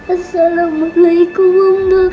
assalamualaikum om dokter